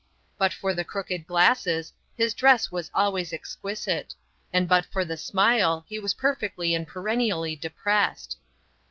But for the crooked glasses his dress was always exquisite; and but for the smile he was perfectly and perennially depressed.